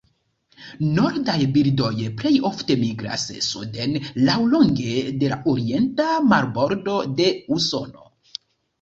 Nordaj birdoj plej ofte migras suden laŭlonge de la orienta marbordo de Usono.